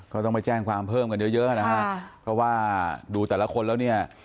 ก็ต้องไปแจ้งความเพิ่มกันเยอะเยอะนะฮะเพราะว่าดูแต่ละคนแล้วเนี่ย